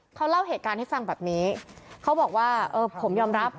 เขาเล่าเหตุการณ์ให้ฟังแบบนี้เขาบอกว่าเออผมยอมรับ